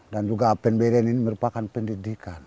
dan juga apen bayeren ini merupakan pendidikan